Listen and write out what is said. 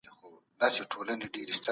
څېړنه د مسلو ژوره او علمي پلټنه ده.